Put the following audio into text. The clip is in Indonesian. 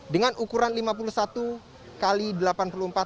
dengan ukuran lima puluh satu x delapan puluh empat